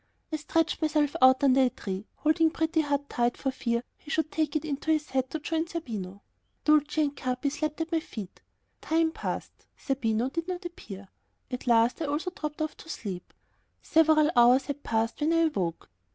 I stretched myself out under a tree, holding Pretty Heart tight for fear he should take it into his head to join Zerbino. Dulcie and Capi slept at my feet. Time passed. Zerbino did not appear. At last I also dropped off to sleep. Several hours had passed when I awoke.